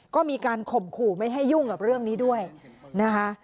ก็มีการข่มขู่ไม่ให้ยุ่งกับเรื่องนี้ด้วยนะคะ